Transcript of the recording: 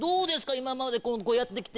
今までこうやって来て。